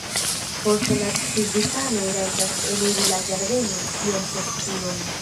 Poste la civitanoj rajtas eniri la ĝardenon iom post iom.